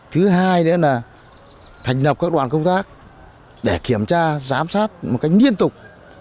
thứ hai nữa là thành lập các đoàn công tác để kiểm tra giám sát một cách liên tục